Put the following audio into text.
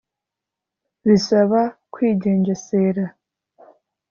Bisaba kwigengesera